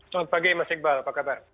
selamat pagi mas iqbal apa kabar